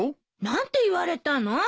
何て言われたの？